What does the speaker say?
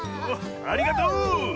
ありがとう！